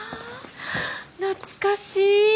懐かしい。